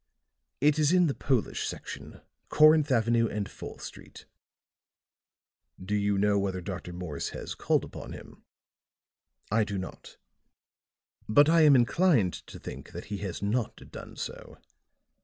"It is in the Polish section. Corinth Avenue and Fourth Street." "Do you know whether Dr. Morse has called upon him?" "I do not. But I am inclined to think that he has not done so.